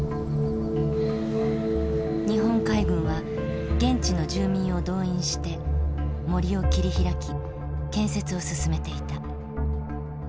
日本海軍は現地の住民を動員して森を切り開き建設を進めていた。